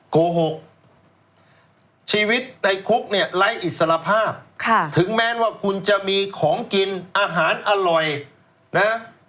โกหกชีวิตในคุกเนี่ยไร้อิสรภาพถึงแม้ว่าคุณจะมีของกินอาหารอร่อยนะ